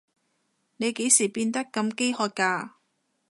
你幾時變到咁飢渴㗎？